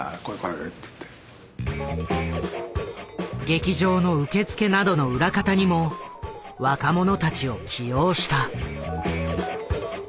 劇場の受付などの裏方にも若者たちを起用した。